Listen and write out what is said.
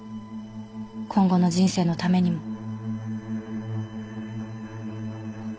今後の人生のためにも。